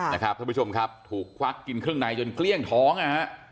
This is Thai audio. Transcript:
ท่านผู้ชมครับถูกควักกินเครื่องในจนเกลี้ยงท้องนะฮะ